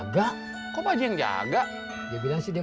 sekarang lo tidur dah ya